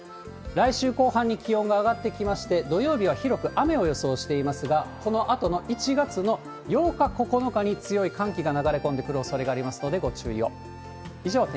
来週後半に気温が上がってきまして、土曜日は広く雨を予想していますが、このあとの１月の８日、９日に強い寒気が流れ込んでくるおそれがありますので、ご注意を。